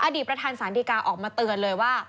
ประธานสารดีกาออกมาเตือนเลยว่า